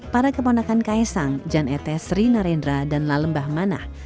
para keponakan kaisang jan ete sri narendra dan lalembah manah